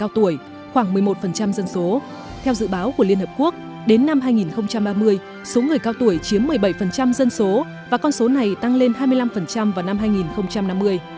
theo dự báo của liên hợp quốc đến năm hai nghìn ba mươi số người cao tuổi chiếm một mươi bảy dân số và con số này tăng lên hai mươi năm vào năm hai nghìn năm mươi